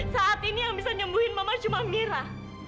saat ini yang bisa nyembuhin mama cuma mira